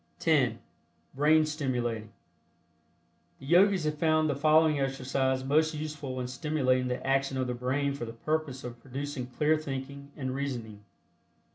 (10) BRAIN STIMULATING. The Yogis have found the following exercise most useful in stimulating the action of the brain for the purpose of producing clear thinking and reasoning.